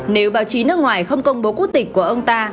nếu báo chí nước ngoài không công bố quốc tịch của ông ta